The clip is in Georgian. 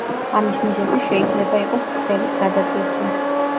ამის მიზეზი შეიძლება იყოს ქსელის გადატვირთვა.